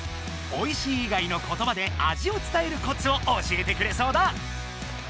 「おいしい」以外の言葉で味をつたえるコツを教えてくれそうだ。